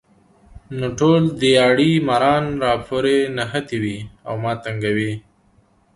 نو ټول دیاړي ماران راپورې نښتي وي ـ او ما تنګوي